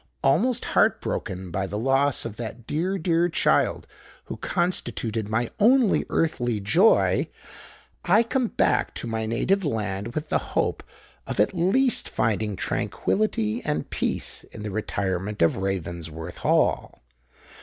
Almost heart broken by the loss of that dear, dear child who constituted my only earthly joy, I come back to my native land with the hope of at least finding tranquillity and peace in the retirement of Ravensworth Hall.